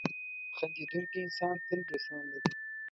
• خندېدونکی انسان تل دوستان لري.